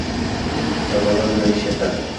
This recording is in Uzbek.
Shifokorlar nima deyishyapti